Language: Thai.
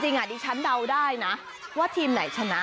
ดิฉันเดาได้นะว่าทีมไหนชนะ